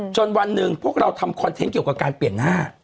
วันหนึ่งพวกเราทำคอนเทนต์เกี่ยวกับการเปลี่ยนหน้า